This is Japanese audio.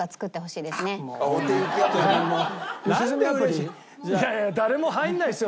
いやいや誰も入らないですよ。